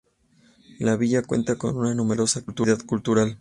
La villa cuenta con una numerosa actividad cultural.